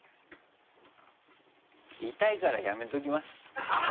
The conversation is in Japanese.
「痛いからやめておきます」